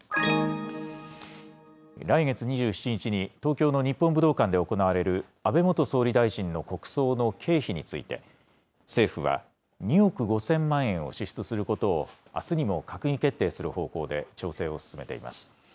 来月２７日に、東京の日本武道館で行われる安倍元総理大臣の国葬の経費について、政府は２億５０００万円を支出することを、あすにも閣議決定する方向で調整を進めています。